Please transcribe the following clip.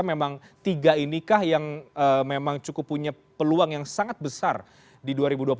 memang tiga inikah yang memang cukup punya peluang yang sangat besar di dua ribu dua puluh empat